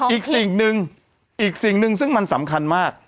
อีกสิ่งหนึ่งอีกสิ่งหนึ่งซึ่งมันสำคัญมาก